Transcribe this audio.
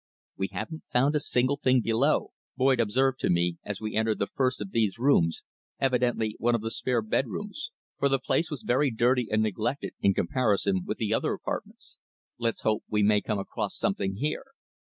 "We haven't found a single thing below," Boyd observed to me, as we entered the first of these rooms, evidently one of the spare bedrooms, for the place was very dirty and neglected in comparison with the other apartments. "Let's hope we may come across something here."